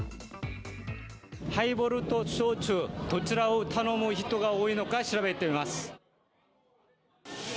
ハイボールとソジュ、どちらを頼む人が多いのか調べてみます。